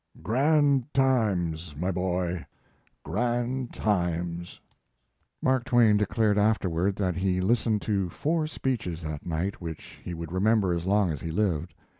Grand times, my boy, grand times! Mark Twain declared afterward that he listened to four speeches that night which he would remember as long as he lived.